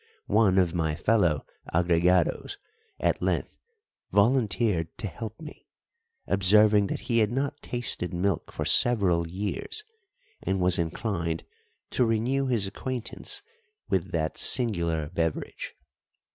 One of my fellow agregados at length volunteered to help me, observing that he had not tasted milk for several years, and was inclined to renew his acquaintance with that singular beverage.